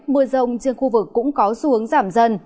mưa rông trên khu vực cũng có xu hướng giảm dần